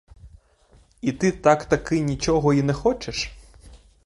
І ти так-таки нічого й не хочеш?